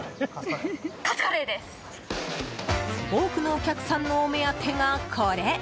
多くのお客さんのお目当てがこれ。